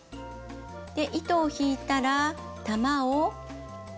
で糸を引いたら玉を隠します。